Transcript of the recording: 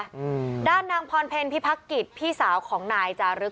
อืมด้านนางพรเพลพิพักษิตพี่สาวของนายจารึก